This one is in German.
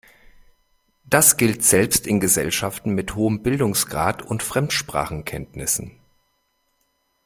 Das gilt selbst in Gesellschaften mit hohem Bildungsgrad und Fremdsprachenkenntnissen.